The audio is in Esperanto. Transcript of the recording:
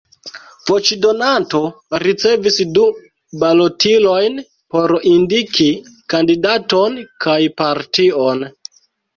Voĉdonanto ricevis du balotilojn por indiki kandidaton kaj partion.